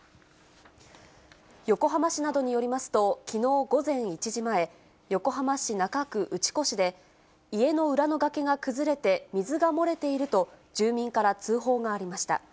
横浜市などによりますと、きのう午前１時前、横浜市中区打越で、家の裏の崖が崩れて水が漏れていると、住民から通報がありました。